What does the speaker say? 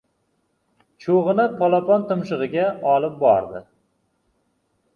Cho‘g‘ini polapon tumshug‘iga olib bordi.